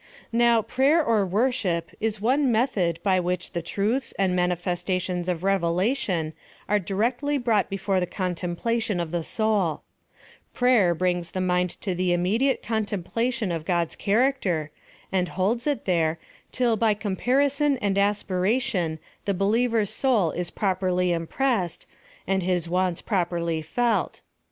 Now, prayer, or worsliip, is one method by which the truths and manifestations ^f R,evelation are dii 322 PHILOSOPHY OF THE recti y brought before tlie contemplation of the souL Prayer brings the mvnd to the immediate contem plation of God's character, and holds it there, till by comoarison and aspiration the believer's soul is properly impressed, and his wants properly felt.